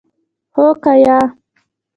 هو که یا ؟